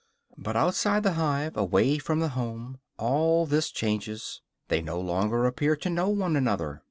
But outside the hive, away from the home, all this changes; they no longer appear to know one another.